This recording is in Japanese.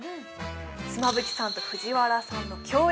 妻夫木さんと藤原さんの共演